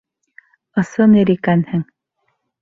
Ысын ир икәнһең!